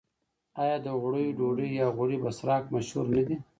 آیا د غوړیو ډوډۍ یا غوړي بسراق مشهور نه دي؟